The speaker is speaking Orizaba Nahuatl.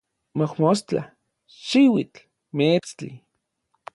mojmostla, xiuitl, meetstli